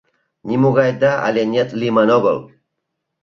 Нимогай «да» але «нет» лийман огыл.